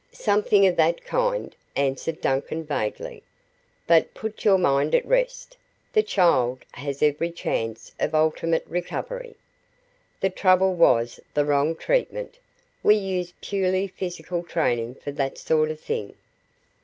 "Something of that kind," answered Duncan vaguely. "But put your mind at rest the child has every chance of ultimate recovery. The trouble was the wrong treatment. We use purely physical training for that sort of thing."